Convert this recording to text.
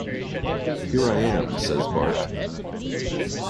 "Here I am," says Bart.